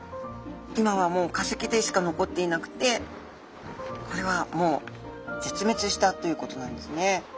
今はもう化石でしか残っていなくてこれはもう絶滅したということなんですね。